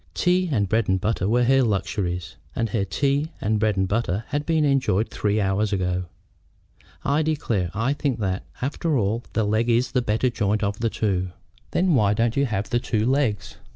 Tea and bread and butter were her luxuries, and her tea and bread and butter had been enjoyed three hours ago. "I declare I think that, after all, the leg is the better joint of the two." "Then why don't you have the two legs?"